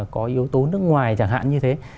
có yếu tố nước ngoài chẳng hạn như thế